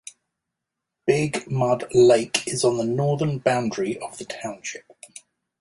Big Mud Lake is on the northern boundary of the township.